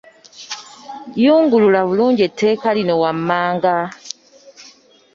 Yungulula bulungi etteeka lino wammanga.